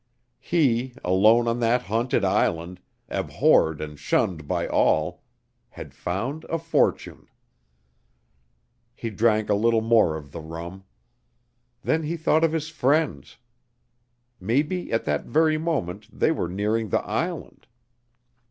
He, alone on that haunted island, abhorred and shunned by all, had found a fortune! He drank a little more of the rum. Then he thought of his friends. Maybe at that very moment they were nearing the island!